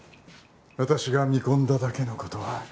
私が見込んだだけの事はある。